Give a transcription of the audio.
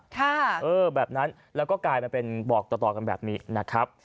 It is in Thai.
ค่ะเออแบบนั้นแล้วก็กลายมาเป็นบอกต่อกันแบบนี้นะครับ